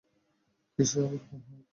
কী, সকার?